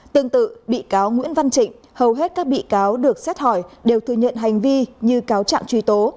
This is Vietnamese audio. tương tự bị cáo nguyễn văn trịnh hầu hết các bị cáo được xét hỏi đều thừa nhận hành vi như cáo trạng truy tố